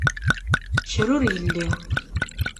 Kra ur yelli.